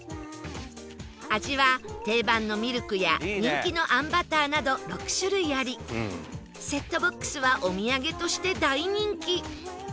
味は定番のミルクや人気のあんバターなど６種類ありセットボックスはお土産として大人気